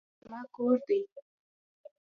دا زما کور دی.